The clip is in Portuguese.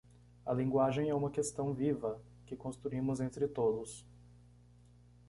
A linguagem é uma questão viva que construímos entre todos.